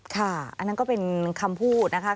อันนั้นก็เป็นคำพูดนะคะ